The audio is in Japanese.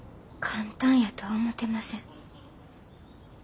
簡単やとは思てません。